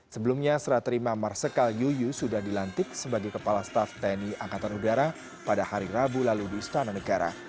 sebelumnya serah terima marsikal yuyu sudah dilantik sebagai kepala staff tni angkatan udara pada hari rabu lalu di istana negara